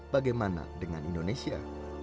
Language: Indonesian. bagaimana dengan indonesia